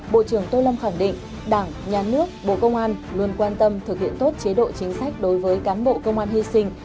bộ trưởng tô lâm khẳng định đảng nhà nước bộ công an luôn quan tâm thực hiện tốt chế độ chính sách đối với cán bộ công an hy sinh